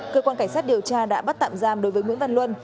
cơ quan cảnh sát điều tra đã bắt tạm giam đối với nguyễn văn luân